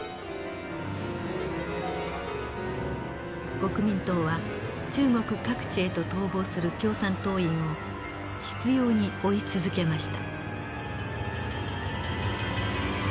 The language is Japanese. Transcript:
国民党は中国各地へと逃亡する共産党員を執ように追い続けました。